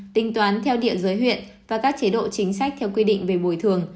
tính toán theo địa giới huyện và các chế độ chính sách theo quy định về bồi thường